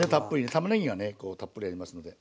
たまねぎがねたっぷりありますので。